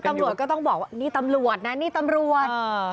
ตำรวจก็ต้องบอกว่านี่ตำรวจนะนี่ตำรวจ